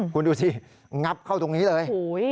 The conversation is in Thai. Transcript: คุณดูสิงับเข้าตรงนี้เลย